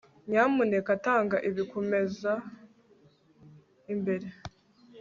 nyamuneka tanga ibi kumeza imbere